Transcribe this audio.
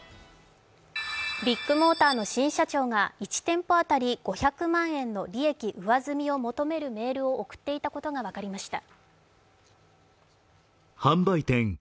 ビッグモーターの新社長が１店舗当たり５００万円の利益上積みを求めるメールを送っていたことが分かりました。